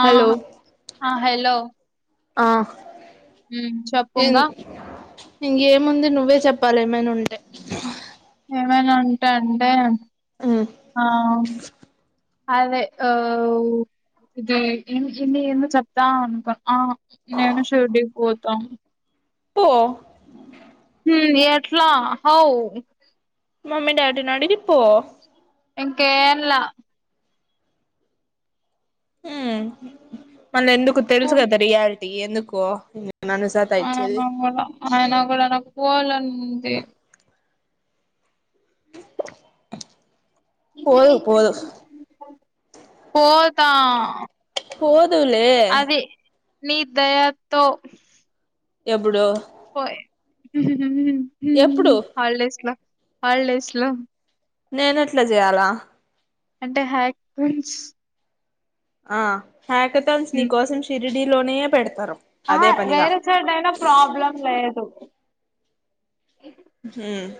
ఆ హలో ఆ హలో ఆ హ్ చెప్పుంగా ఇంగేముంది నువ్వే చెప్పాలె ఏమైనా ఉంటే. ఏమైనా ఉంటే అంటే ఆ అదే ఆ ఇది ఎం విషయం అని చెప్తా అనుకున్న ఆ నేను షిరిడీకి పోతా. పో ఉహ్ ఎట్లా హౌ? మమ్మీ డాడీ ని అడిగి పో కేరళ మళ్ళ ఎందుకు పో తెల్సు కద రియాల్ ఎందుకు నన్ను సతాఇచ్చేది అయినా గూడా అయినా కూడ నాకు పోల్లని ఉంది పోదు పోదు పోత్ తా పో దువులే ని దయతో ఎబ్బూడు పోయి ఎప్పుడు హమ్ హాల్డేస్ లో హల్డేస్ లో నేను ఎట్ల జెయాలా అంటే హ్యాక్తోన్స్ ఆ హ్యాకతోల్స్ నీ హ్మ్ కోసం షి షిరిడీలోనే పెడ్తారు ఆహా వేరే సైడ్ అయిన ప్రాబ్లం లేదు హమ్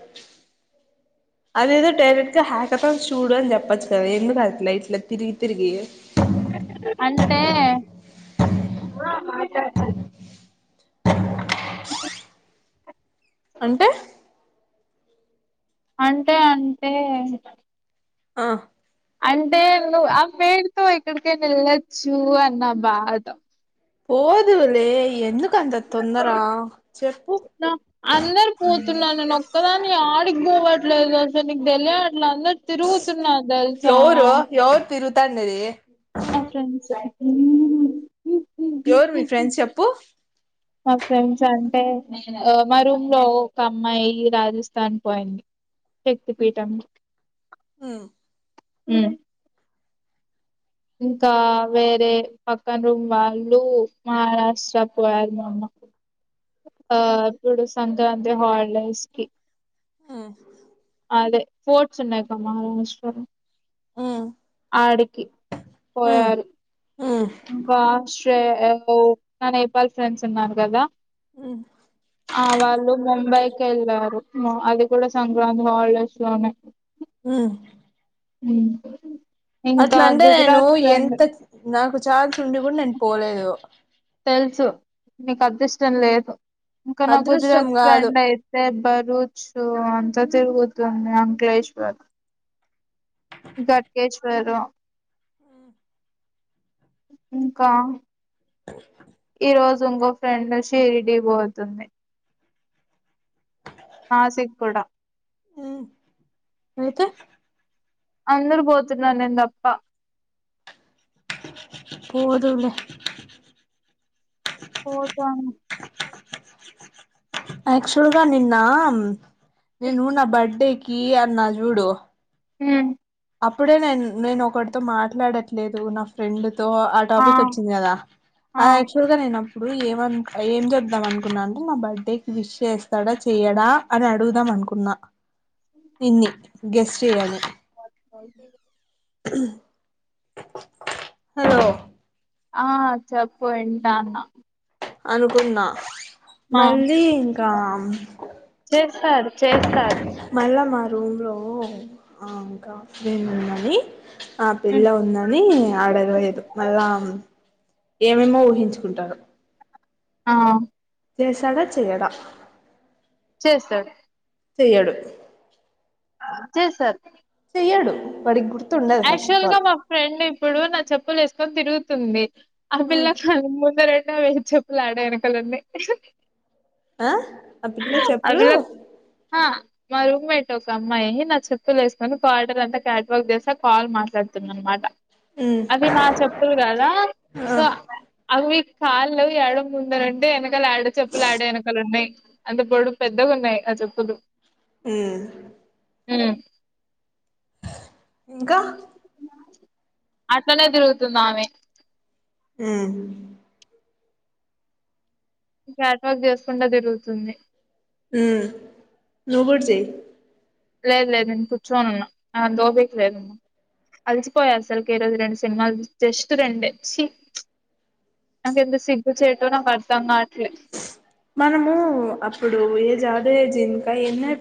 అదేదో డైరెక్ట్ గా హ్యాకతోన్స్ చూడు అని చెప్పచ్చు కదా ఎందుకట్ల ఇట్ల తిరిగి తిరిగి అంటే చేయచని అకాే అంటె అంటే అంటే ఆ అంటే నువ్ ఆ పేరుతో ఎక్కడికి అయిన వెళ్ళచ్చు అన్న బాధ పోదువు లే ఎందుకు అందరు పోతున్నారు నేను ఒక్కదాన్ని యాడికిపోవట్లే ట్లేదు అస్సలు నీకు తెలియట్లేదు తిరుగుతున్నారు తెల్సా తన్నది నా ఫ్రెండ్స్ ఎవరు మీ ఫ్రెండ్స్ చెప్పు మా ఫ్రెండ్స్ అంటే మా రూమ్ లో ఒక అమ్మాయి రాజస్థాన్ పోయింది శక్తి పీఠం హమ్ హ్మ్మ్ ఇంకా వేరే పక్కన రూమ్ వాళ్ళు మహారాష్ట్ర పోయారు మమ్మకు ఆ ఇప్పుడు సంక్రాంతి హాలిడేస్ కి హ అదే పోర్ట్స్ ఉన్నాయికు మేశ్వరం హ ఆడికి ఉమ్ పోయాారుకా ఒక నా నేపాల్ ఫ్రెండ్స్ ఉన్నారూ కదా హుమ్మ్ ఆ వాళ్ళు ముంబైకి వెళ్ళారు అది కూడా సంక్రాంతి హాలిడేస్ లోనే హ హ్మ్మ్ అట్లా అంటే నేను ఎంత నాకు ఛాన్స్ ఉండి కూడా నేను పోలేదు తెలుసు మీకు అంత ఇష్టం లేదు ఇంకా నా అదృష్టం గుజరాత్ కాదు ఫ్రెండ్ అయితే బ తచ్చు అంతా తిరుగుతుంది అంకలేేశ్వర్ గడ్కేశ్వర్ ఇంకా ఈ రోజు ఇంకో ఫ్రెండ్ షిరిడి పోతుంది నాసిక్ కూడా ఆ అయితే అందర పోతున్నారు నేను తప్ప పోదువులే పోతాను ఆక్చువల్గా నిన్న నేను నా బర్డేకి కీ అన్న జుడుో హ్మ్మ్ అప్పుడే నేను నేను ఒకటితో మాట్లాడట్లేదు నా ఫ్రెండ్ తో ఆ టాపిక్ వచ్చింది కదా ఆ అది యాక్చువల్ గా నేను ఇప్పుడు ఏమ ఏం చెప్దాం అనుకున్నా అంటే నా బర్త్డేకి విష్ చేస్తాడా చెయడా అని అడుగుదాం అనుకున్నా నిన్ని గెస్ట్ చేయ్యి అవు హలో ఆ చెప్పు ఎంటాన్నా అనుకున్నా మళ్ళీ ఇంకా చేస్తారు చేస్తారు మళ్ళా మ రూమ్ లో ఇంకా బేన్ ఉండాలి ఆ పిళ్ల ఉమ్. ఉందని ఆడర్ వయదు మళ్ళా ఏమేమో ఊహించుకుంటారు ఆ చేసడ చేస్తాడు చేయడు జీ సార్ తీయడు వాడికి గుర్తు యాక్చువల్ గా మా ఫ్రెండ్ ఇప్పుడు నా చెప్ప్ కులు వేసుకొని తిరుగుతుంది ఆ పిల్లా కా ముందరెం వే చెప్పులు లాడే వెనకాలనాయి ఆ ఆ పిల్ల చెప్పులు ఆ! మా రూమ్మేట్ ఒక అమ్మాయి నా చెప్పులు వేసుకుని కాలిడార్ అంతా క్యాట్ వర్క్ చేసా కాల్ మాట్లాడుతుంన్న మాట అది ఆ నా చెప్పులు కదా సో అవి కాళ్ళ ఎద్దంగునంటే వెనకలు ఆడ చెప్పులు ఆడ వెనకలు ఉన్నాయి అంత పొడుగు పెద్దగా ఉన్నాయి ఆ చెప్పులు హమ్ హమ్ ఇంకా అట్లనే తిరుగుతుందమె హ్మ్మ్ క్యాట్ వాక్ చేసుకుంట తిరుగుతుంది ఉ నువ్వుకూడా చేయ్ లేదు లేదు నేను కూర్చోని ఉన్నా నాకు అంత ఓపిక లేదమ్మ అలిసిపోయా అసలుకి రోజుకి రెండు సినిమా జస్ట్ రెండే చ్చి నాక ఎంత సిగ్గు చేటో నాకు అర్థంగ్ మనము అప్పుడు ఏ జాదయ జిన్ క్క ఎన్ని అయి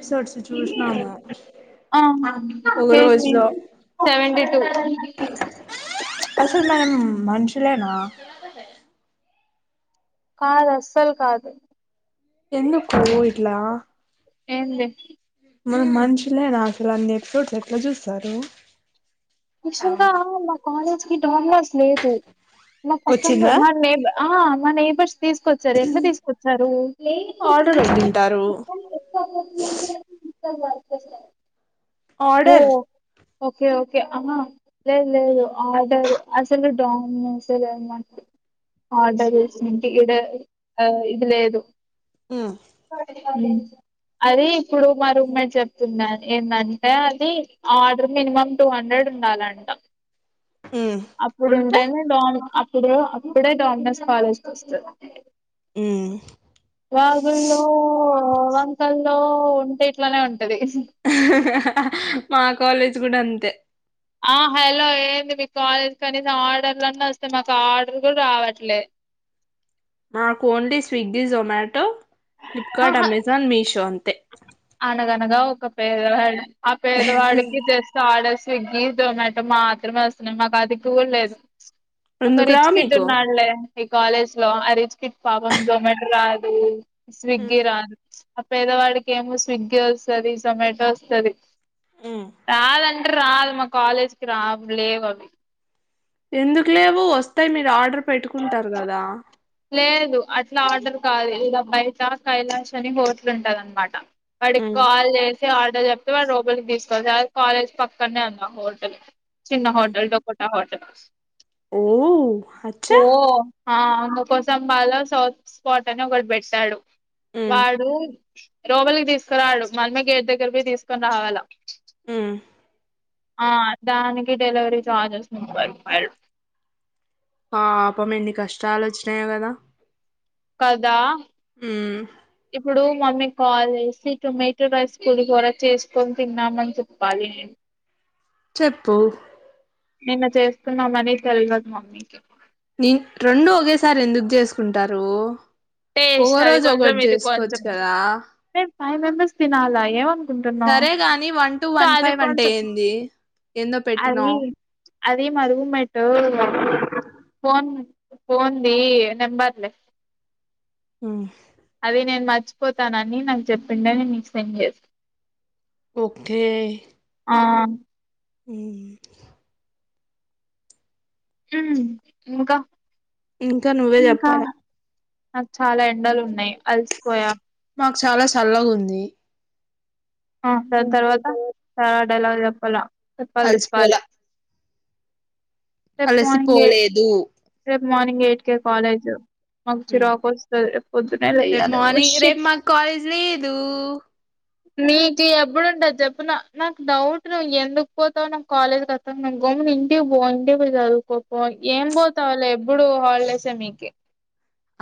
ఆహా ఒక డెన్వీ రోజులో సెవెంటీ టూ అసలు మనం మనుషులేనా కాదు అస్సల్ కాదు ఎందుక్ కో ఇట్లా ఏం లే మనం మనుషులేనా అసలు అన్ని ఎపిసోడ్స్ ఎట్లా చూస్తారు యాక్చువల్ గా మా కాలేజ్ హి డోంట్ క్నౌస్ స్నేహితు నా పక్కన వచ్చిందా నా నేబ్ ఆ మన నైబర్స్ తీసుకొచ్చారు ఎట్లా తీసుకొచ్చారు ఆర్డర్ వదింటారు చలా చాలే ఆర్డర్ ఓకే ఓకే అహ లేదు లేదు ఆర్డర్ అసలు డామినోస్ ఎ లేదు మనకి ఆర్డర్ చేసింటే ఇడ ఇది లేదు ఉ అది ఇప్పుడు మా రూం మేట్ చెప్తున్నాది ఏట్లని అంటే అది ఆర్డర్ మినిమం టూ హండ్రెడ్ ఉండాలంట ఉమ్ ఉంటే అప్పుడుంటేనే లోనప్ ఇప్పుడు అప్పుడే డామినస్ కాలేజ్కి వస్తది ఉమ్ గగును క వంకల్లో ఉంటే ఇట్లనే ఉంటది హ హ మా కాలేజ్ కూడా అంతే ఆ హలో ఏంది మీకు కాల్ కనీసం ఆర్డర్లు అన్న వస్తాయి. మాకు ఆర్డర్ కూడా రావట్లే మాకు only Swiggy Zomato Flipkart Amazon Meesho అన్ తే అనగనగ ఒక పేద పెద్ ఆ పేదవాడికి జస్ట్ ఆడేస్ స్విగ్గీ జొమాటో మాత్రమే వస్తున్నాయి. మాకు అది కూడ లేదు. ఒక ఎందుకురా రిచ్ కిడ్ మీకు ఉన్నా అంటే మీ కాలేజ్ లో అ రిచ్ కిడ్ కి పాపం జొమాటో రాదు స్విగ్గి రాదు పేదవాడికి ఏమో స్ స్విగ్గి వస్తది జొమటో వస్తది కాదంటర్ సాల్ మా కాలేజ్కి రా లేవు అవి ఎందుకు లేవు వస్తాయి మీరు ఆర్డర్ పెట్టుకుంటారు కదా లేదు అట్లా ఆర్డర్ కాదు ఇలా బయట కైలాష్ అని హోటల్ ఉంటాది అనమాట వాడికి కాల్ చేసి ఆర్డర్ చెప్తే వాళ్ళు లోపలికి తీసుకోవాలి అది కాలేజ్ పక్కనే హోటల్ చిన్న హోటల్ డకోటా హోటల్ ఓ అచ్చా ఓహో ఆ అవును కోసం బాలో సౌత్ స్పాట్ అని ఒకటి పెట్టారు వాడు లోపలికి తీసుకురాడు మనమే గేట్ దగ్గరకి పొయ్యి తీసుకొని రావాలా ఆ దానికి డెలివరీ చార్జెస్ ముప్పై రూపాయలు పాపం ఎన్ని కష్టాలు వచ్చినాయో కదా కదా ఊ ఇప్పుడు మమ్మీ కాల్ చేేసి టొమాటో రైస్ పులిహోర చేసుకొని తిన్నామని చెప్పాలి. చెప్పు నిన్న చేస్తున్నామని తెల్వదు మమ్మీకి నీ రెండు ఒకేసారి ఎందుకు చేసుకుంటారు టేస్ట్ ఒగో అది రోజు కొంచెం ఒకటి ఇది కొంచెం చేసుకోవచ్చు కదా నేను ఫైవ్ మెంబర్స్ తినాలా ఏమనుకుంటున్నావ్ సరే గాని వన్ టూ సో వన్ అది ఫైవ్ అంటే కొంచెం ఏంది ఏందో అది పెట్టినావ్ అది మా రూమ్ మెట్టు ఫోన్ ఫోన్ ది నెంబర్లే అదే నేను మ మర్చిపోతానని నాకు చెప్పిండ నేను నీకు సెండ్ చేసా ఓకే ఆ ఉ ఉ ఇంకా ఇంకా నువ్వే ఇంకా చెప్పాల నాకు చాలా ఎండలు ఉన్నాయి అలసిపోయా మాకు చాలా సల్లగా ఉంది ఆ దాని తర్వాత ఎలా చెప్పలా చెప్పాలి అలసిపోల చెప్పాలి రేపు మార్నింగ్ ఏ అలసిపోలేదు రేపు మార్నింగ్ ఎయిట్ కే కాలేజు మాకు చిరాకు వస్తది పొద్దునే రేపు లేయ్యాలి వో మార్నింగ్ రేపు షట్ మాకు కాలేజ్ లేదు మీకి ఎప్పుడుంటది చెప్పు నా నాకు డౌట్ నువ్వు ఎందుకు పోతావో నాకు కాలేజ్ కి అర్థం కాదు గమ్మున ఇంటికి పో ఇంటికి పొయ్యి చదువుకోపో ఏం పోతావ్ లే ఎప్పుడు హాలిడేసే మీకీ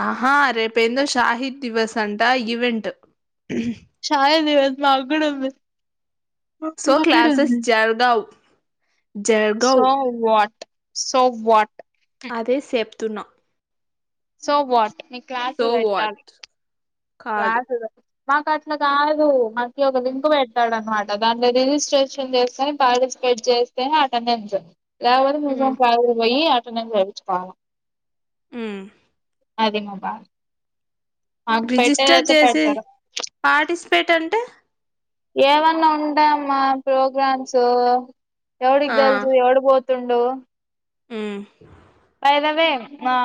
ఆహా రేపు ఏందో షాహిద్ దివస్ అంట ఈవెంట్ షాహిద్ దివస్ మాగ్గూడ్ వుంది సో క్లాసెస్ జరగావ్ సో వాట్ సో వాట్ అదే సేపుతున్నా సో వాట్ మీకి క్లాసులు పెట్టాలి వాట్ కాదు క్లాసులు మాకు అట్లా కాదు, మాక్ ది ఒక లింక్ పెట్టాడన్నమాట. మరి దాంట్లో రిజిస్ట్రేషన్ చేస్తేనే, పార్టిసిపేట్ చేస్తేనే అటెండెన్స్. [unintelligible] తినేకి జేపిచ్చుకోవల్ల ఉ అదే మా బాద రిజిస్టర్ చేసి పార్టీస్ పేట అంటే ఏమన్నా ఉంటయా అమ్మ ప్రోగ్రామ్స్? ఎవడిగ్ దేల్సు? ఎవడు పోత్ తుండు ఉమ్ బై ద వే, మా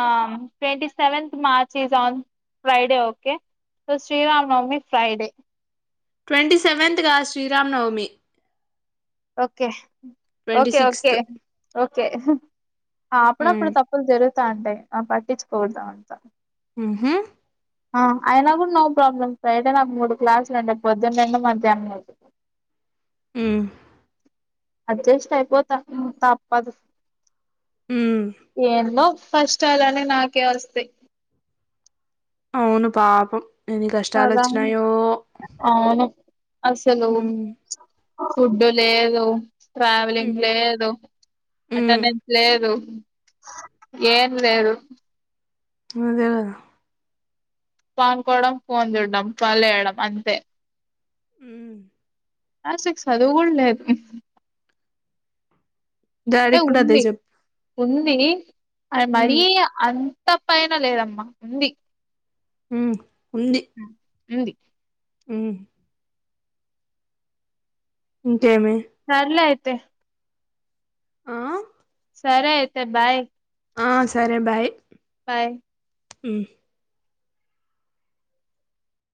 twenty seventh March is on Friday okay. So Sriram Navami Friday. Twenty seventh కాద్ Sriram Navami. Okay. Twenty okay, sixth okay. Okay ఆ, మ్ అప్పుడప్పుడు తప్పులు జరగు త ఉంటయి, ఆ పట్టిించుకోవద్ద అంత. ఉమ్ హు? ఆ, అయినా గుడ నో ప్రాబ్లమ్, ఫ్రైడే నాకు మూడు క్లాసులు ఉండయి, పొందున్నుండి మధ్యాహ్నం వరకు. ఉమ్ అడ్జస్ట్ అయిపోతా ఉమ్ తప్పదు, మ్ ఏందో కష్టాలన్ని నాకే వస్తయి. అవును పాపమ్. కదా, అవును. అసలు మ్ ఫుడ్డు లేదు. ట్రావెలింగ్ లేదు, మ్ అటెండెన్స్ లేదు. ఎమ్ లేదు. అదే గదా. పన్కోడం, ఫోన్ చూడ్డం, ఫాల్లేయడం అంతే. ఉమ్ ఆ సిస్ అది గూడ లేదు. డాడీక్కుడా అదే జెప్ ఉందీ. టాయ్ మరీ అన్ తప్పైన లేదమ్మా, ఉంది. ఉమ్ ఉంది. ఉంది మ్మ్ మ్మ్ సర్లే అయిత్ తె ఆ సరె అయితే, బాయ్. ఆ సరె, బాయ్. బాయ్. ఉమ్